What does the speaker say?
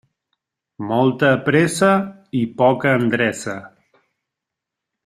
Molta pressa i poca endreça.